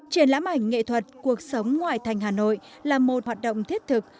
triển lãm ảnh nghệ thuật cuộc sống ngoại thành hà nội là một hoạt động thiết thực